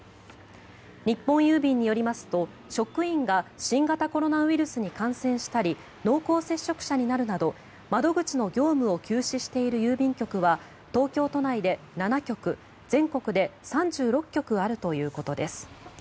日本郵便によりますと職員が新型コロナウイルスに感染したり濃厚接触者になるなど窓口の業務を休止している郵便局は東京都内で７局、全国で３６局あるということです。